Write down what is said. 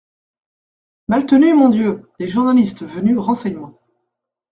Maltenu Mon Dieu !… des journalistes venus aux renseignements.